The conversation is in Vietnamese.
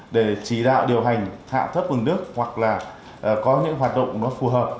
để chỉ đạo điều hành hạ thấp vùng đất hoặc là có những hoạt động nó phù hợp